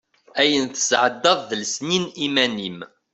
Ayen tesɛeddaḍ d lesnin iman-im.